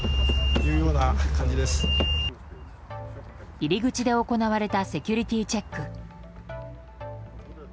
入り口で行われたセキュリティーチェック。